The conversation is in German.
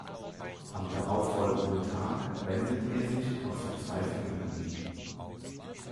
Am darauffolgenden Tag wendet er sich aus Verzweiflung an ihn.